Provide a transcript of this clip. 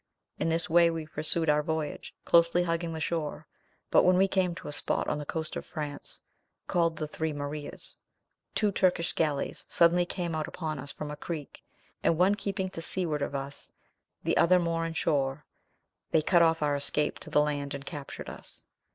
In this way we pursued our voyage, closely hugging the shore; but when we came to a spot on the coast of France, called the Three Marias, two Turkish galleys suddenly came out upon us from a creek, and one keeping to seaward of us, the other more in shore, they cut off our escape to the land and captured us.